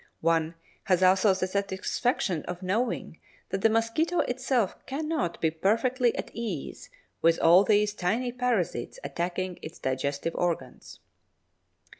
One has also the satisfaction of knowing that the mosquito itself cannot be perfectly at ease with all these tiny parasites attacking its digestive organs.